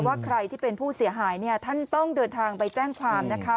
ว่าใครที่เป็นผู้เสียหายเนี่ยท่านต้องเดินทางไปแจ้งความนะคะ